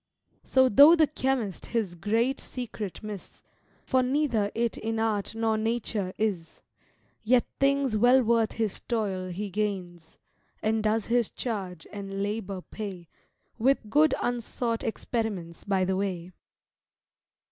So though the chymist his great secret miss, (For neither it in art nor nature is) Yet things well worth his toil he gains; And does his charge and labour pay With good unsought experiments by the way."